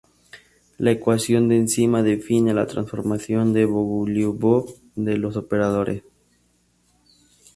La ecuación de encima define la transformación de Bogoliubov de los operadores.